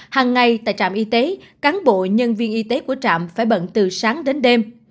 hàng ngày tại trạm y tế cán bộ nhân viên y tế của trạm phải bận từ sáng đến đêm